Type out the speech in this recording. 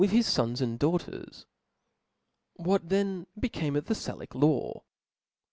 his fons and daughters. Wt>at then became of the l^t^tt Salic law ?